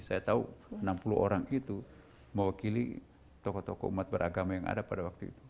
saya tahu enam puluh orang itu mewakili tokoh tokoh umat beragama yang ada pada waktu itu